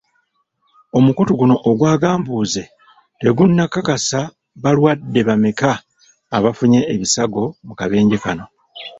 Omukutu guno ogwa Gambuuze tegunakakasa balwadde bameka abafunye ebisago mu kabenje kano.